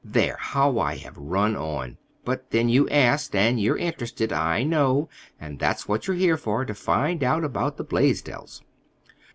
"There, how I have run on! But, then, you asked, and you're interested, I know, and that's what you're here for—to find out about the Blaisdells."